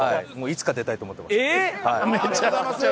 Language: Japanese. いつか出たいと思ってました。